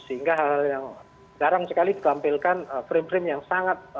sehingga jarang sekali digampilkan frame frame yang sangat